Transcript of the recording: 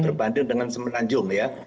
berbanding dengan semenanjung ya